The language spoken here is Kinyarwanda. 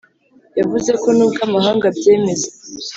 yavuze ko nubwo amahanga abyemeza